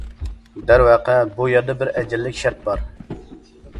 دەرۋەقە، بۇ يەردە بىر ئەجەللىك شەرت بار.